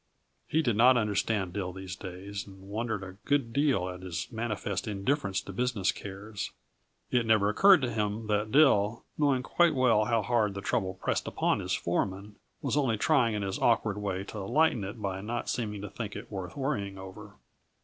He did not understand Dill these days, and wondered a good deal at his manifest indifference to business cares. It never occurred to him that Dill, knowing quite well how hard the trouble pressed upon his foreman, was only trying in his awkward way to lighten it by not seeming to think it worth worrying over.